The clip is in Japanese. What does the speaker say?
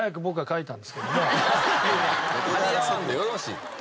張り合わんでよろしい。